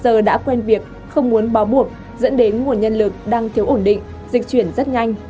giờ đã quen việc không muốn bó buộc dẫn đến nguồn nhân lực đang thiếu ổn định dịch chuyển rất nhanh